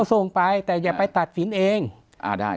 ส่งไปแต่อย่าไปตัดสินเองอ่าได้